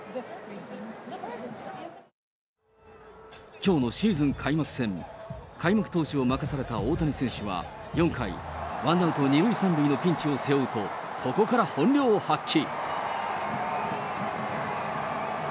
きょうのシーズン開幕戦、開幕投手を任された大谷選手は、４回、ワンアウト２塁３塁のピンチを背負うと、ここから本領発揮。